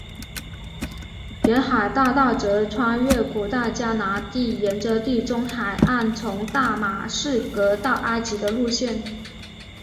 沿海大道则穿越古代迦南地沿着地中海岸从大马士革到埃及的路线。